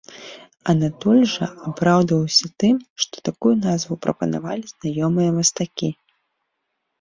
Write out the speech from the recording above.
Анатоль жа апраўдваўся тым, што такую назву прапанавалі знаёмыя мастакі.